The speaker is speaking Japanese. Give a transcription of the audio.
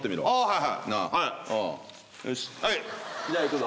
はい。